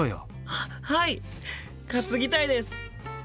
あっはい担ぎたいです！